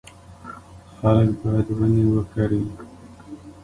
خلک باید ونې وکري.